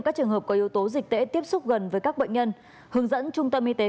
các trường hợp có yếu tố dịch tễ tiếp xúc gần với các bệnh nhân hướng dẫn trung tâm y tế